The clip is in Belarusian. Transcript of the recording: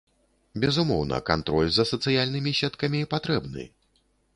Безумоўна, кантроль за сацыяльнымі сеткамі патрэбны.